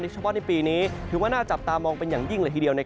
เฉพาะในปีนี้ถือว่าน่าจับตามองเป็นอย่างยิ่งเลยทีเดียว